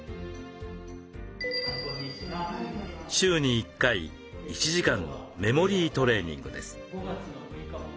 週に１回１時間のメモリートレーニングです。